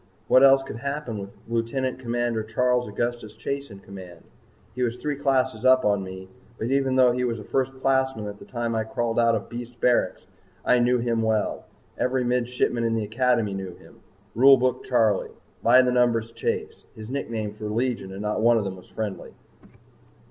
What else could happen with Lieutenant Commander Charles Augustus Chase in command! He was three classes up on me, but even though he was a First Classman at the time I crawled out of Beast Barracks, I knew him well. Every Midshipman in the Academy knew him Rule Book Charley By The Numbers Chase his nicknames were legion and not one of them was friendly.